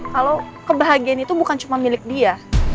kalau kebahagiaan itu bukan cuma milik dia